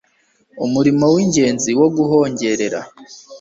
umurimo w'ingenzi wo guhongerera,